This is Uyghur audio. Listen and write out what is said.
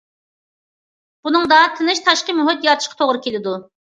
بۇنىڭدا تىنچ تاشقى مۇھىت يارىتىشقا توغرا كېلىدۇ.